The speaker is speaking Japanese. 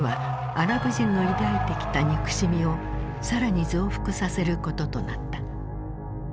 アラブ人の抱いてきた憎しみを更に増幅させることとなった。